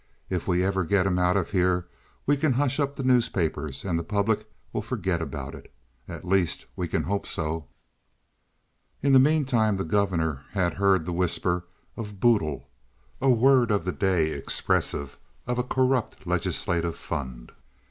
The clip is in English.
If we ever get him out of here we can hush up the newspapers, and the public will forget about it; at least we can hope so." In the mean time the governor had heard the whisper of "boodle"—a word of the day expressive of a corrupt legislative fund.